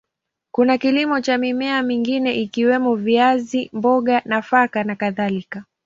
Kuna kilimo cha mimea mingine ikiwemo viazi, mboga, nafaka na kadhalika.